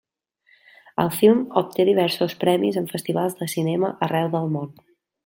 El film obté diversos premis en festivals de cinema arreu del món.